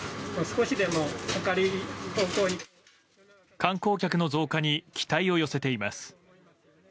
観光客の増加に期待を寄せています。